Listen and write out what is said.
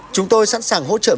chúng tôi sẵn sàng hỗ trợ việt nam